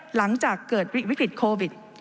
หลังจากเกิดวิกฤตโควิด